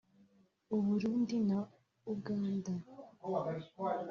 u Burundi na Uganda